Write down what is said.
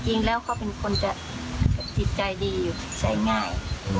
จริงแล้วเขาเป็นคนจะจิตใจดีอยู่ใส่ง่าย